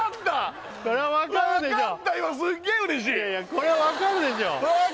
これは分かるでしょ